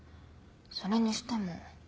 それにしても。